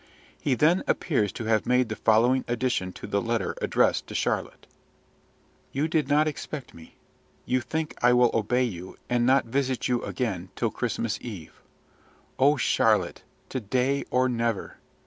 He then appears to have made the following addition to the letter addressed to Charlotte: "You do not expect me. You think I will obey you, and not visit you again till Christmas Eve. O Charlotte, today or never!